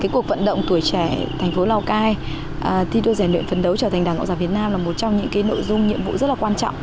cuộc vận động tuổi trẻ thành phố lào cai thi đua giải luyện phấn đấu trở thành đảng cộng sản việt nam là một trong những nội dung nhiệm vụ rất quan trọng